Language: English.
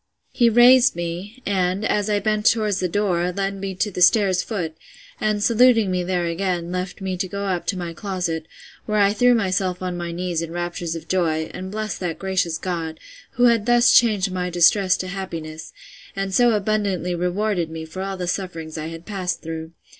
He raised me, and, as I bent towards the door, led me to the stairs foot, and, saluting me there again, left me to go up to my closet, where I threw myself on my knees in raptures of joy, and blessed that gracious God, who had thus changed my distress to happiness, and so abundantly rewarded me for all the sufferings I had passed through.